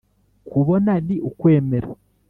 kubona ni ukwemera